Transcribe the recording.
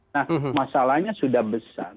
nah masalahnya sudah besar